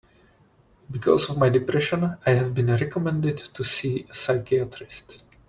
Because of my depression, I have been recommended to see a psychiatrist.